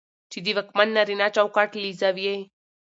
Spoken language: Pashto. چې د واکمن نارينه چوکاټ له زاويې